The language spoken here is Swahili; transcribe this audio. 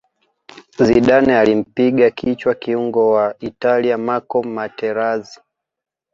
zidane alimpiga kichwa kiungo wa italia marco materazi